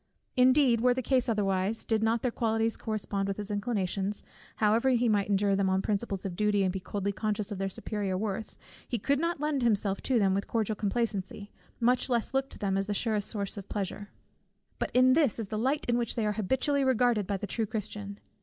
Indeed were the case otherwise, did not their qualities correspond with his inclinations; however he might endure them on principles of duty, and be coldly conscious of their superior worth, he could not lend himself to them with cordial complacency, much less look to them as the surest source of pleasure. But this is the light in which they are habitually regarded by the true Christian.